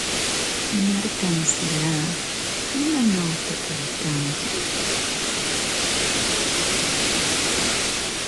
Markamsillaa, ¿imanawta kaykanki?